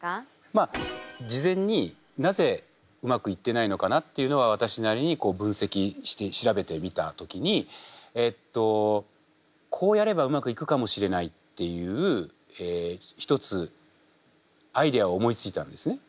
まあ事前になぜうまくいってないのかなっていうのは私なりにこう分析して調べてみた時にえっとこうやればうまくいくかもしれないっていう一つアイデアを思いついたんですね。